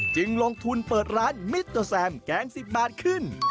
ลงทุนเปิดร้านมิเตอร์แซมแกง๑๐บาทขึ้น